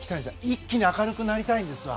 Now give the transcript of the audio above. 一気に明るくなりたいんですわ。